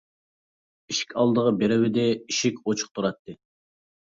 ئىشىك ئالدىغا بېرىۋىدى، ئىشىك ئۇچۇق تۇراتتى.